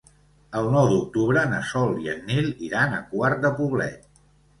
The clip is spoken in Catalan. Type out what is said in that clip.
El nou d'octubre na Sol i en Nil iran a Quart de Poblet.